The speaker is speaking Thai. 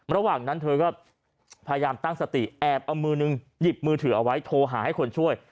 ระหว่างนั้นเธอก็พยายามตั้งสติแอบเอามือนึงหยิบมือถือเอาไว้โทรหาให้คนช่วย